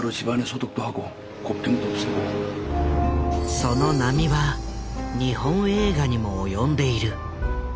その波は日本映画にも及んでいる。